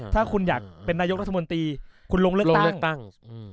ถ้าคุณอยากเป็นนายกรัฐมนตรีคุณลงเลือกตั้งลงเลือกตั้งอืม